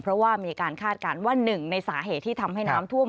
เพราะว่ามีการคาดการณ์ว่าหนึ่งในสาเหตุที่ทำให้น้ำท่วม